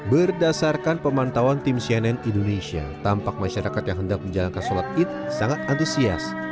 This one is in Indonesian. berdasarkan pemantauan tim cnn indonesia tampak masyarakat yang hendak menjalankan sholat id sangat antusias